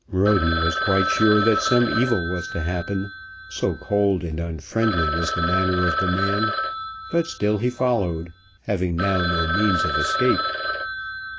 Roden was quite sure that some evil was to happen, so cold and unfriendly was the manner of the man; but still he followed, having now no means of escape.